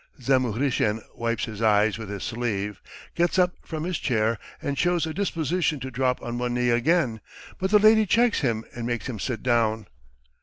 '" Zamuhrishen wipes his eyes with his sleeve gets up from his chair, and shows a disposition to drop on one knee again; but the lady checks him and makes him sit down.